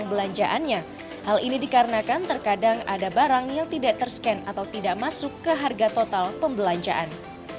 untuk barang belanjaannya hal ini dikarenakan terkadang ada barang yang tidak tersken atau tidak masuk ke harga total pembelanjaan